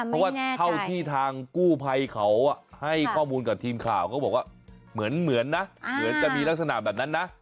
เพราะว่าเท่าที่ทางกู้ภัยเขาให้ข้อมูลกับทีมข่าวก็บอกว่าเหมือนนะเหมือนจะมีลักษณะแบบนั้นนะ